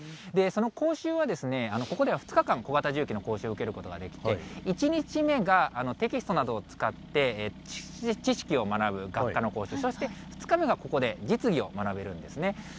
その講習は、ここでは２日間、小型重機の講習を受けることができて、１日目がテキストなどを使って知識を学ぶ学科の講習、そして、２日目がここで実技を学べるんですね。